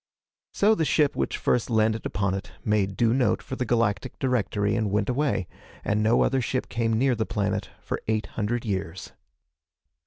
So the ship which first landed upon it made due note for the Galactic Directory and went away, and no other ship came near the planet for eight hundred years.